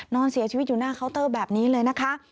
นอนเสียชีวิตอยู่หน้าเคาน์เตอร์แบบนี้เลยนะคะ